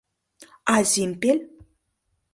— А Зимпель?